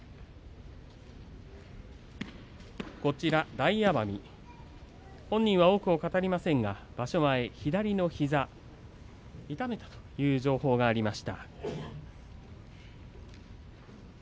大奄美、本人は多くを語りませんが場所前、左膝を痛めたという情報があります。